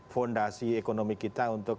fondasi ekonomi kita untuk